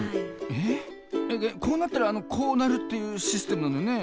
ええっこうなったらこうなるっていうシステムなのよね？